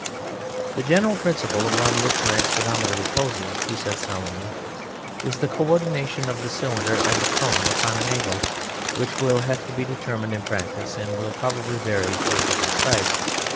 "The general principle upon which my speedometer reposes," he said solemnly, "is the coordination of the cylinder and the cone upon an angle which will have to be determined in practice, and will probably vary for different types.